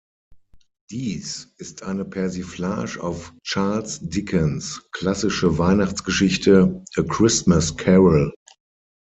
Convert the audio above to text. Dies ist eine Persiflage auf Charles Dickens klassische Weihnachtsgeschichte "A Christmas Carol".